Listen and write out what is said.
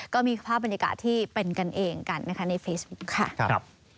ก็มีภาพบรรยากาศที่เป็นกันเองกันนะคะในเฟซบุ๊คค่ะ